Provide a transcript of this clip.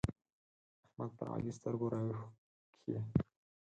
احمد پر علي سترګې راوکښې.